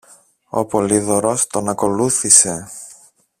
Ο Πολύδωρος τον ακολούθησε.